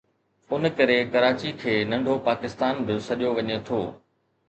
ان ڪري ڪراچي کي ”ننڍو پاڪستان“ به سڏيو وڃي ٿو